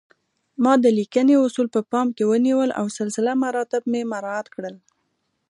ما د لیکنې اصول په پام کې ونیول او سلسله مراتب مې مراعات کړل